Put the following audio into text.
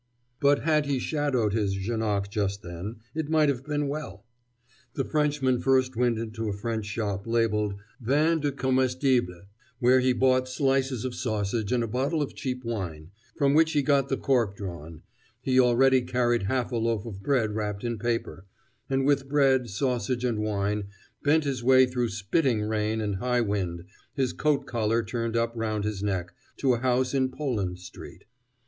But had he shadowed his Janoc just then, it might have been well! The Frenchman first went into a French shop labeled "Vins et Comestibles," where he bought slices of sausage and a bottle of cheap wine, from which he got the cork drawn he already carried half a loaf of bread wrapped in paper, and with bread, sausage, and wine, bent his way through spitting rain and high wind, his coat collar turned up round his neck, to a house in Poland Street.